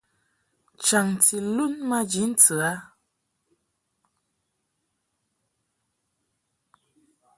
Chaŋti lun maji ntɨ a.